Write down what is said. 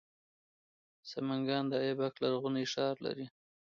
سمنګان د ایبک لرغونی ښار لري